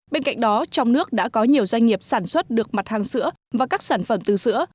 bên cạnh đó trong nước đã có nhiều doanh nghiệp sản xuất được mặt hàng sữa và các sản phẩm từ sữa